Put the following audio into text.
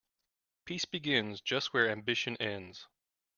Peace begins just where ambition ends.